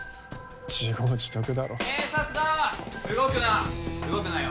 自業自得だろ警察だ動くな動くなよ